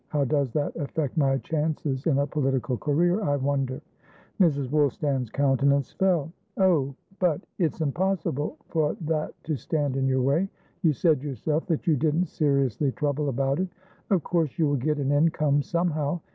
How does that affect my chances in a political career, I wonder?" Mrs. Woolstan's countenance fell. "Ohbutit's impossible for that to stand in your way. You said yourself that you didn't seriously trouble about it. Of course you will get an incomesomehow.